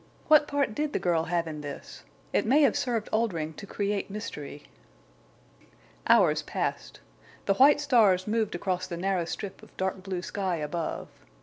What part did the girl have in this? It may have served Oldring to create mystery." Hours passed. The white stars moved across the narrow strip of dark blue sky above.